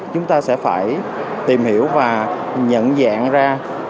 chúng ta sẽ phải tìm hiểu và nhận dạng ra